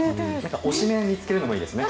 推しメンを見つけるのもいいですね。